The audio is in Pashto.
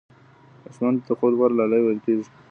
ماشومانو ته د خوب لپاره لالايي ویل کېږي.